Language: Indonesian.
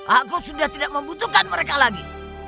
aku sudah tidak membutuhkan mereka lagi